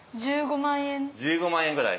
１５万円ぐらい？